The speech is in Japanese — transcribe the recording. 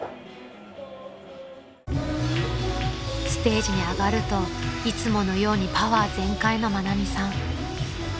［ステージに上がるといつものようにパワー全開の愛美さん］